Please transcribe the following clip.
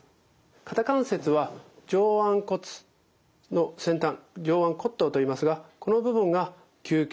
肩関節は上腕骨の先端上腕骨頭といいますがこの部分が球形。